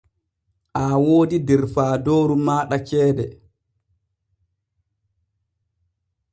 Aa woodi der faadooru maaɗa ceede.